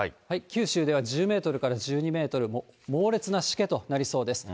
九州では１０メートルから１２メートル、猛烈なしけとなりそうです。